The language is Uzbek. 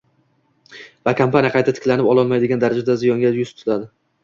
va kompaniya qayta tiklanib ololmaydigan darajada ziyonga yuz tutadi.